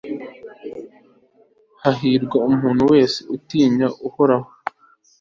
hahirwa umuntu wese utinya uhoraho